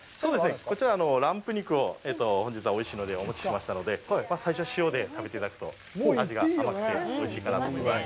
こちら、ランプ肉を本日はおいしいのでお持ちしましたので、最初は塩で食べていただくと、味が甘くておいしいかなと思います。